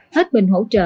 hết mình hỗ trợ